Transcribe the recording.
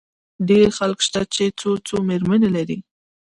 ډېر خلک شته، چي څو څو مېرمنې لري.